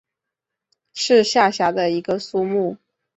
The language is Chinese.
是下辖的一个苏木。